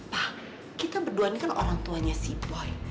wah kita berdua ini kan orang tuanya si boy